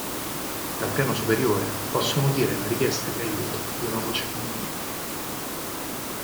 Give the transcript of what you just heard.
Dal piano superiore possono udire la richiesta di aiuto di una voce femminile.